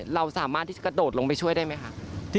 เราสามารถที่จะกระโดดลงไปช่วยได้ไหมคะ